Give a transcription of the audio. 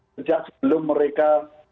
sejak sebelum mereka